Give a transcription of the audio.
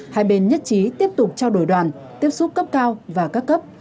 hai bên nhất trí tiếp tục trao đổi đoàn tiếp xúc cấp cao và các cấp